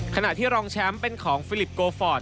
ขณะที่รองแชมป์เป็นของฟิลิปโกฟอร์ต